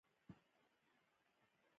په ویاس لسیزه کې دغه وده په ټپه ودرېده.